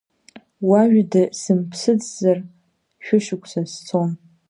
Уажәада сымԥсыцзар шәышықәса сцон.